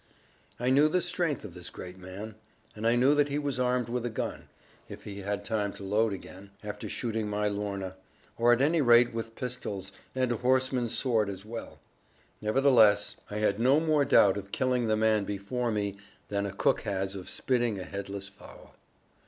I knew the strength of this great man; and I knew that he was armed with a gun if he had time to load again, after shooting my Lorna or at any rate with pistols, and a horseman's sword as well. Nevertheless, I had no more doubt of killing the man before me than a cook has of spitting a headless fowl.